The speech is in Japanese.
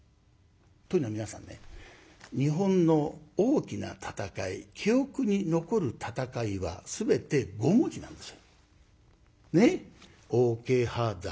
というのは皆さんね日本の大きな戦い記憶に残る戦いは全て５文字なんですよ。ねえ？